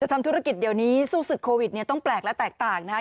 ทำธุรกิจเดี๋ยวนี้สู้ศึกโควิดเนี่ยต้องแปลกและแตกต่างนะคะ